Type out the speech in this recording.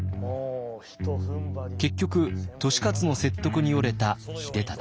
結局利勝の説得に折れた秀忠。